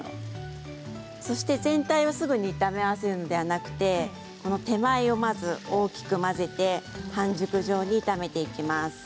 そして全体をすぐに炒め合わせるのではなくて手前をまず大きく混ぜて半熟状に炒めていきます。